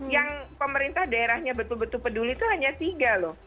yang pemerintah daerahnya betul betul peduli itu hanya tiga loh